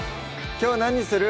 きょう何にする？